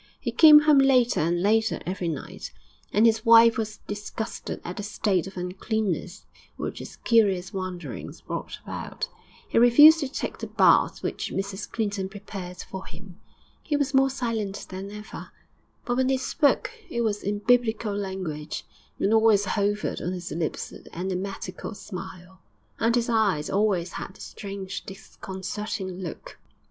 He came home later and later every night, and his wife was disgusted at the state of uncleanness which his curious wanderings brought about. He refused to take the baths which Mrs Clinton prepared for him. He was more silent than ever, but when he spoke it was in biblical language; and always hovered on his lips the enigmatical smile, and his eyes always had the strange, disconcerting look.